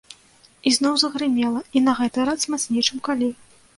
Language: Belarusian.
Ізноў загрымела, і на гэты раз мацней, чым калі.